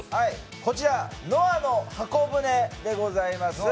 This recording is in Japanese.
こちら、「ノアの箱舟」でございます。